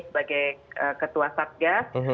sebagai ketua satgas